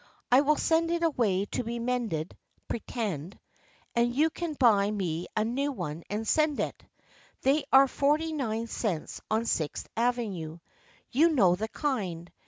I will send it away to be mended (pretend) and you can buy me a new one and send it. They are forty nine cents on Sixth Avenue. You know the kind.